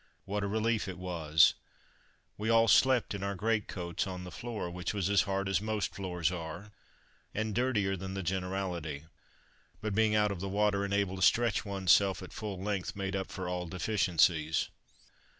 What a relief it was! We all slept in our greatcoats on the floor, which was as hard as most floors are, and dirtier than the generality; but being out of the water and able to stretch oneself at full length made up for all deficiencies.